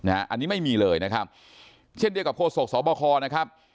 อันนี้ไม่มีเลยนะครับเช่นเดียวกับโฆษกสบคนะครับ